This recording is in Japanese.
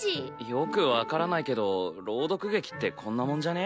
よく分からないけど朗読劇ってこんなもんじゃね？